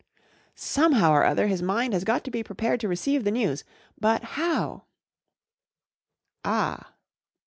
" Somehow or oilier his mind has got to be prepared to receive the news. But how ?" 41 Ah